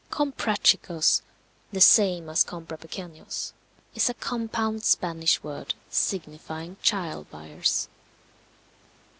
Comprachicos, the same as Comprapequeños, is a compound Spanish word signifying Child buyers.